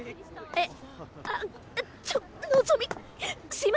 えっ？